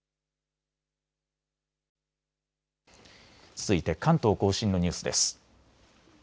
続いて関東甲信のニュースです。